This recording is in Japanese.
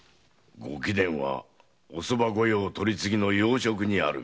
ご貴殿はお側御用取次の要職にある身。